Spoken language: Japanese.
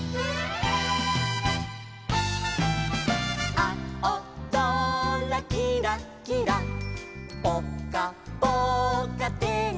「あおぞらきらきらぽかぽかてんき」